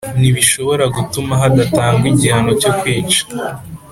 ntibishobora gutuma hadatangwa igihano cyo kwica